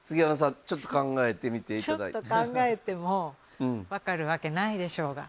ちょっと考えても分かるわけないでしょうが。